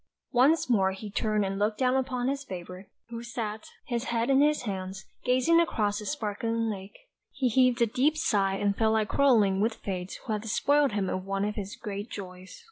Once more he turned and looked down upon his favourite, who sat, his head in his hands, gazing across the sparkling lake; he heaved a deep sigh and felt like quarrelling with Fate who had despoiled him of one of his great joys.